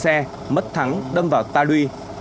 xe mất thắng đâm vào ta đuôi